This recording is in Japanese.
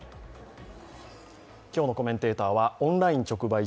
今日のコメンテーターはオンライン直売所、